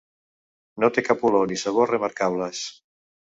No té cap olor ni sabor remarcables.